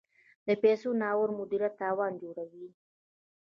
د پیسو ناوړه مدیریت تاوان جوړوي.